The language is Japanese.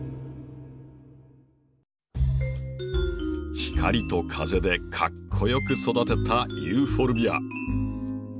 光と風でかっこよく育てたユーフォルビア。